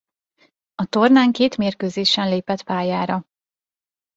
A tornán két mérkőzésen lépett pályára.